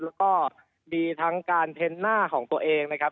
แล้วก็มีทั้งการเทนหน้าของตัวเองนะครับ